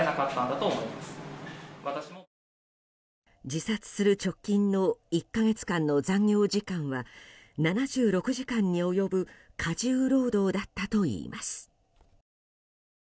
自殺する直近の１か月間の残業時間は７６時間に及ぶ過重労働だったといいます。